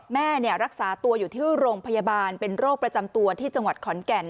แม่รักษาตัวอยู่ที่โรงพยาบาลเป็นโรคประจำตัวที่จังหวัดขอนแก่น